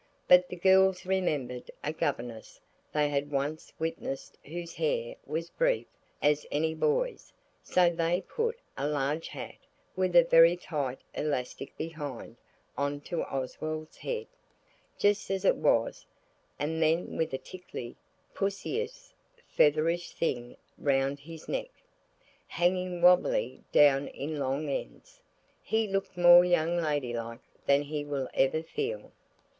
But the girls remembered a governess they had once witnessed whose hair was brief as any boy's, so they put a large hat, with a very tight elastic behind, on to Oswald's head, just as it was, and then with a tickly, pussyish, featherish thing round his neck, hanging wobblily down in long ends, he looked more young lady like than he will ever feel.